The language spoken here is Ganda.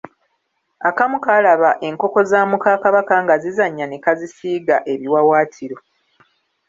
Akamu kaalaba enkoko za muka Kabaka nga zizannya ne kazisiiga ebiwaawaatiro.